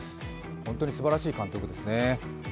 本当にすばらしい監督ですね。